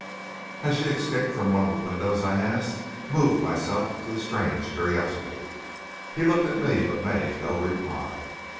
"'Has she escaped from one of the windows?' I asked, moved myself to a strange curiosity. "He looked at me, but made no reply.